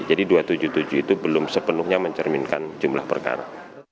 jadi dua ratus tujuh puluh tujuh itu belum sepenuhnya mencerminkan jumlah perkara